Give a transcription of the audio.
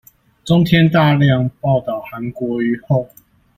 中天大量報導韓國瑜後